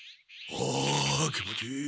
あ気持ちいい。